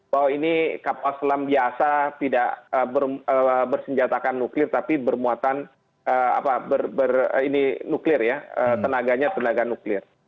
bahwa ini kapal selam biasa tidak bersenjatakan nuklir tapi bermuatan nuklir ya tenaganya tenaga nuklir